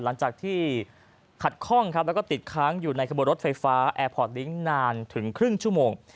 หลังจากที่ขัดข้องครับแล้วก็ติดค้างอยู่ในขบวนรถไฟฟ้าแอร์พอร์ตลิงค์นานถึงครึ่งชั่วโมง